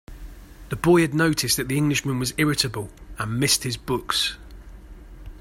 The boy had noticed that the Englishman was irritable, and missed his books.